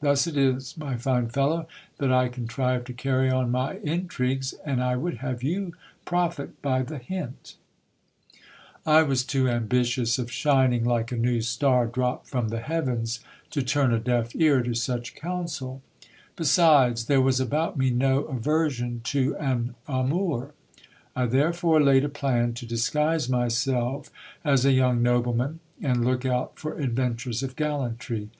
Thus it is, my fine fellow, that I contrive to carry on my intrigues, and I would have you profit by the hint I was too ambitious of shining like a new star dropped from the heavens, to turn a deaf ear to such counsel ; besides, there was about me no aversion to an amour. I therefore laid a plan to disguise myself as a young nobleman, and look out for adventures of gallantry.